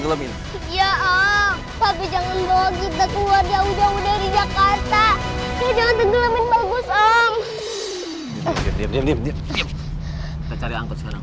diam diam diam kita cari angkut sekarang